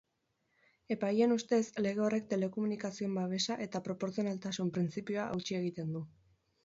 Epaileen ustez, lege horrek telekomunikazioen babesa eta proportzionaltasun printzipioa hautsi egiten du.